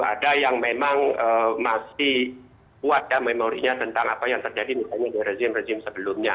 ada yang memang masih kuat ya memorinya tentang apa yang terjadi misalnya di rezim rezim sebelumnya